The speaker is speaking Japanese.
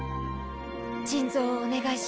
珍蔵をお願いします。